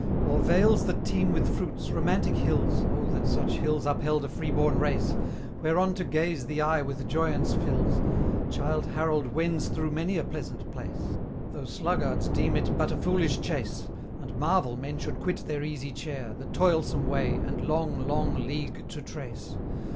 O'er vales that teem with fruits, romantic hills, (Oh that such hills upheld a free born race!) Whereon to gaze the eye with joyaunce fills, Childe Harold wends through many a pleasant place. Though sluggards deem it but a foolish chase, And marvel men should quit their easy chair, The toilsome way, and long, long league to trace.